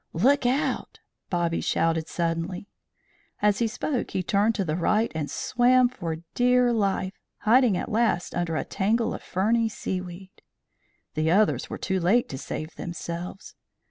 "Look out!" Bobby shouted suddenly. As he spoke he turned to the right and swam for dear life, hiding at last under a tangle of ferny seaweed. The others were too late to save themselves.